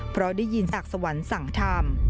เพราะได้ยินศักดิ์สวรรค์สั่งธรรม